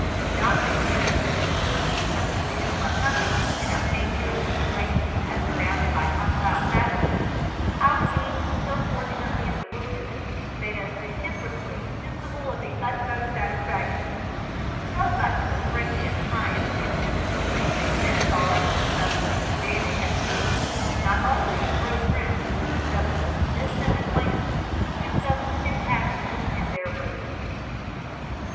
Notwithstanding the unfortunate circumstances of our company, and our dangerous situation as surrounded by hostile savages, our meeting so fortunately in the wilderness made us reciprocally sensible of the utmost satisfaction. So much does friendship triumph over misfortune, that sorrows and sufferings vanish at the meeting, not only of real friends, but of the most distant acquaintances, and substitute happiness in their room."